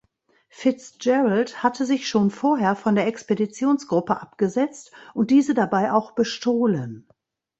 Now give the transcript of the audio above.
Fitzgerald hatte sich schon vorher von der Expeditionsgruppe abgesetzt und diese dabei auch bestohlen.